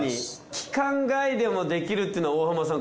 期間外でもできるっていうのは大浜さん